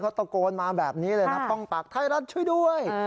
เขาตะโกนมาแบบนี้เลยนะป้องปากไทยรัฐช่วยด้วย